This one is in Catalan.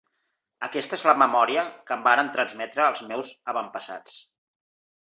Aquesta és la memòria que em varen transmetre els meus avantpassats.